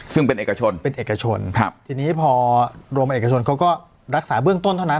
ซึ่งเป็นเอกชนเป็นเอกชนครับทีนี้พอรวมเอกชนเขาก็รักษาเบื้องต้นเท่านั้น